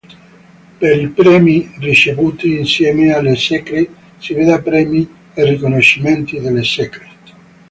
Per i premi ricevuti insieme alle Secret, si veda Premi e riconoscimenti delle Secret.